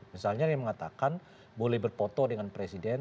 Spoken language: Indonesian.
misalnya dia mengatakan boleh berfoto dengan presiden